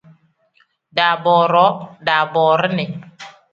Daabooruu pl: daaboorini n.